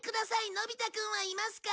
のび太くんはいますか？